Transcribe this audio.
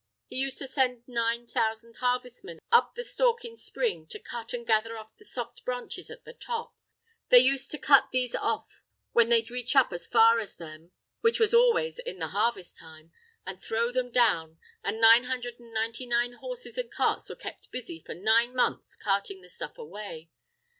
He used to send nine thousand harvestmen up the stalk in spring to cut and gather off the soft branches at the top. They used to cut these off when they'd reach up as far as them (which was always in the harvest time), an' throw them down, an' nine hundred and ninety nine horses an' carts were kept busy for nine months carting the stuff away.